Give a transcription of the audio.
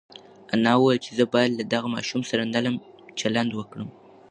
انا وویل چې زه باید له دغه ماشوم سره نرم چلند وکړم.